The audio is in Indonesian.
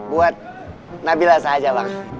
buat nabila saja bang